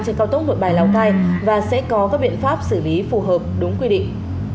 trên cao tốc nội bài lào cai và sẽ có các biện pháp xử lý phù hợp đúng quy định